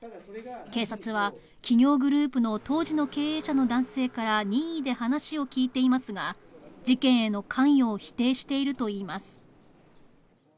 警察は企業グループの当時の経営者の男性から任意で話を聞いていますが、事件への関与を否定しているといいます。